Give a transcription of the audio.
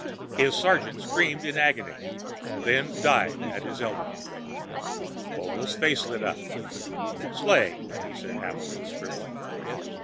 His sergeant screamed in agony, then died at his elbow. Vogel's face lit up. "Slay," he said happily, scribbling.